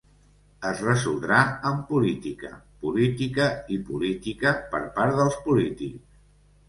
Es resoldrà amb política, política i política per part dels polítics.